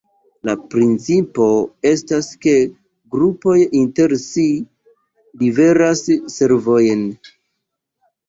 La principo estas ke grupoj inter si liveras servojn.